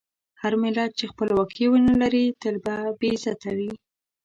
هر ملت چې خپلواکي ونه لري، تل به بې عزته وي.